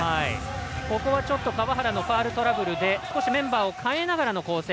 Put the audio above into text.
ここはちょっと川原のファウルトラブルでメンバーを代えながらの構成。